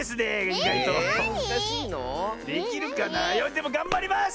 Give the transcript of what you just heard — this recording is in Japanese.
でもがんばります！